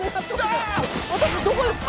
私どこですか？